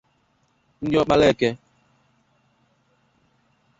Ndi-ọkpaleke